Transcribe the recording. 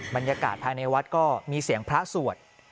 บรรยากาศภายในวัดก็มีเสียงพระสวด